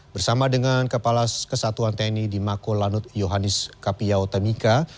bersama dengan kepala kesatuan tni di mako lanut yohanis kapiau temika